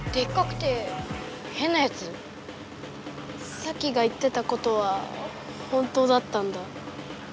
サキが言ってたことは本当だったんだ。